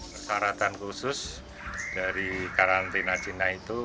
persyaratan khusus dari karantina cina itu